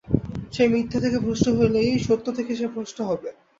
সেই মিথ্যা থেকে ভ্রষ্ট হলেই সত্য থেকে সে ভ্রষ্ট হবে।